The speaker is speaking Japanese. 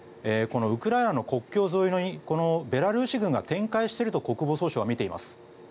このウクライナの国境沿いにベラルーシ軍が展開していると国防総省は見ています。